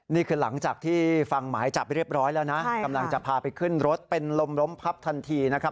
นี่คือหลังจากที่ฟังหมายจับเรียบร้อยแล้วนะกำลังจะพาไปขึ้นรถเป็นลมล้มพับทันทีนะครับ